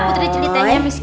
putri ceritanya miss kiki